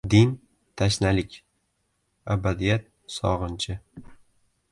• Din – tashnalik, abadiyat sog‘inchi…